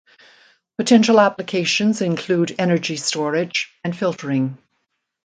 Potential applications include energy storage and filtering.